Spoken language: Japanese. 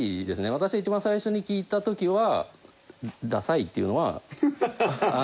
私が一番最初に聞いた時はダサいっていうのは。